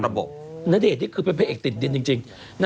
น้าเดที่เป็นพระเอกติดดินจริง